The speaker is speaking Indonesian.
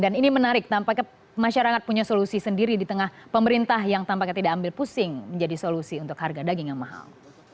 dan ini menarik tanpa ke masyarakat punya solusi sendiri di tengah pemerintah yang tanpa ke tidak ambil pusing menjadi solusi untuk harga daging yang mahal